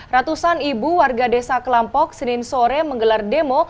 ratusan ibu warga desa kelampok senin sore menggelar demo